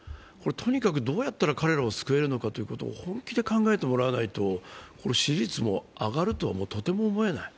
とにかくどうやったら彼らを救えるのかを本気で考えてもらわないと支持率も上がるとはとても思えない。